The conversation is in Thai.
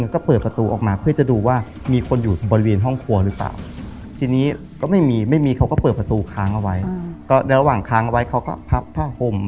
ก็ระหว่างค้างไว้เขาก็พับท่อห่ม